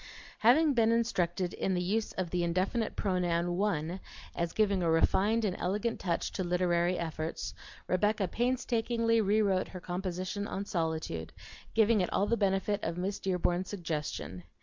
Having been instructed in the use of the indefinite pronoun "one" as giving a refined and elegant touch to literary efforts, Rebecca painstakingly rewrote her composition on solitude, giving it all the benefit of Miss Dearborn's suggestion.